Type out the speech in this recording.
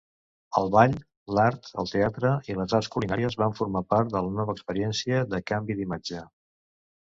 El ball, l'art, el teatre i les arts culinàries van formar part de la nova experiència de canvi d'imatge.